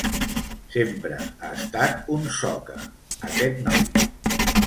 Sempre ha estat un soca, aquest noi.